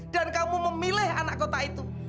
dan kamu memilih anak kota itu